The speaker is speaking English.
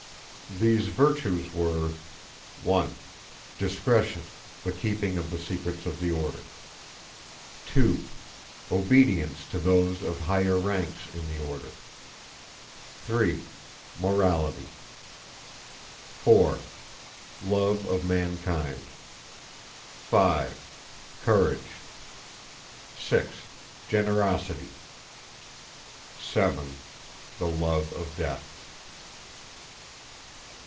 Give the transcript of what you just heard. These virtues were: 1. Discretion, the keeping of the secrets of the Order. 2. Obedience to those of higher ranks in the Order. 3. Morality. 4. Love of mankind. 5. Courage. 6. Generosity. 7. The love of death.